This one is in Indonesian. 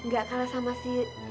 gak kalah sama si